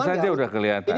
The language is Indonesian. di situ saja sudah kelihatan